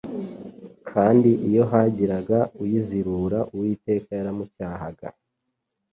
Kandi iyo hagiraga uyizirura, Uwiteka yaramucyahaga